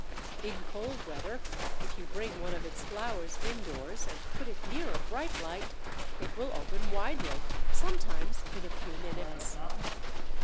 In cold weather, if you bring one of its flowers indoors and put it near a bright light it will open widely, sometimes in a few minutes.